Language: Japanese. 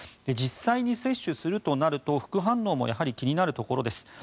実際に接種するとなると副反応もやはり気になるところです。